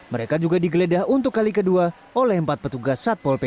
mereka juga digeledah untuk kali kedua oleh empat petugas satpol pp